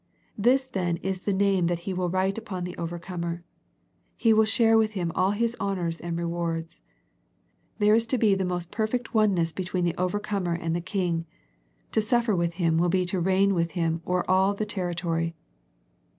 This then is the name that He will write upon the overcomer. He will share with him all His honours and rewards. There is to be the most perfect oneness between the overcomer and the King. To suffer with Him will be to reign with Him o'er all the territory.